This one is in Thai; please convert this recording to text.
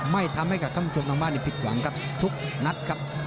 ไม่ทำให้กับท่านผู้ชมทางบ้านผิดหวังครับทุกนัดครับ